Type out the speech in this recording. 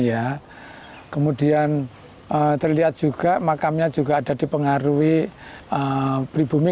ya kemudian terlihat juga makamnya juga ada dipengaruhi pribumi